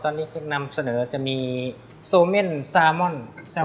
อ๋อต้องคลุกเข้ากับซอสตร์ตัวนี้แล้วก็เครื่องอันสารตรงนี้ให้มา